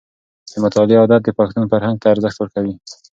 د مطالعې عادت د پښتون فرهنګ ته ارزښت ورکوي.